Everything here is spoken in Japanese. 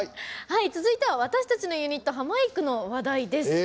続いては私たちのユニットハマいくの話題です。